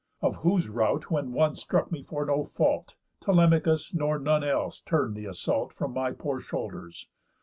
Of whose rout when one struck me for no fault, Telemachus nor none else turn'd th' assault From my poor shoulders.